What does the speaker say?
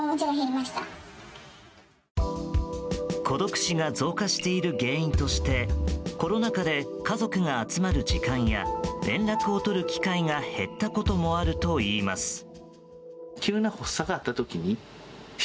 孤独死が増加している原因としてコロナ禍で家族が集まる時間や連絡を取る機会が減ったこともあるといいます。